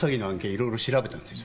いろいろ調べたんですよ。